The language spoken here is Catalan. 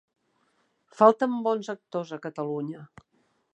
Falten bons actors a Catalunya.